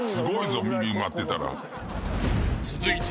［続いて］